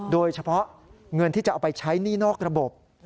โดยเฉพาะเงินที่จะเอาไปใช้หนี้นอกระบบ